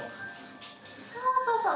そうそうそう！